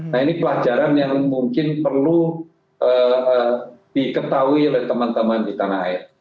nah ini pelajaran yang mungkin perlu diketahui oleh teman teman di tanah air